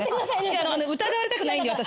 疑われたくないんで私。